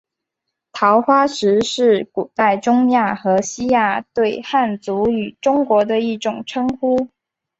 桃花石是古代中亚和西亚对汉族与中国的一种称呼。